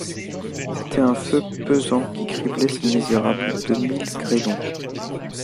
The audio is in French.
C’était un feu pesant qui criblait ces misérables de mille grêlons.